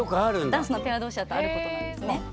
ダンスのペアどうしだとあることなんですね。